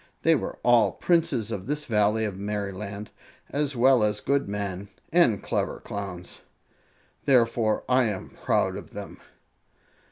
They were all Princes of this Valley of Merryland, as well as good men and clever Clowns. Therefore I am proud of them."